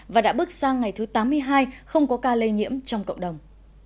và đã bước sang ngày thứ tám mươi hai không có ca lây nhiễm trong cộng đồng